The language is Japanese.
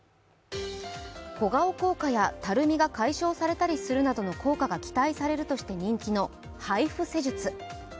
小顔効果やたるみが解消されたりするなどの効果が期待されると人気のＨＩＦＵ施術。